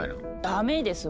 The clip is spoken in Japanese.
ダメです！